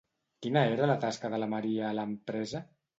Quina era la tasca de Maria a l'empresa?